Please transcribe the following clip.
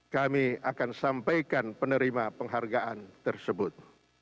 kami akan sampaikan penerima penghargaan tersebut